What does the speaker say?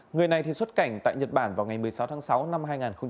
người này xuất cảnh tại nhật bản vào ngày một mươi sáu tháng sáu năm hai nghìn hai mươi